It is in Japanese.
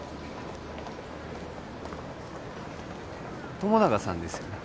友永さんですよね？